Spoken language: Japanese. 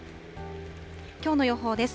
きょうの予報です。